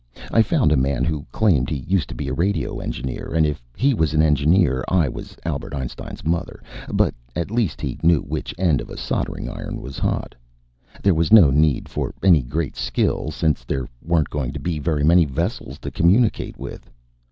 I found a man who claimed he used to be a radio engineer. And if he was an engineer, I was Albert Einstein's mother, but at least he knew which end of a soldering iron was hot. There was no need for any great skill, since there weren't going to be very many vessels to communicate with.